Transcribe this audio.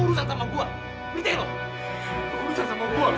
lo urusan sama gue lu sampai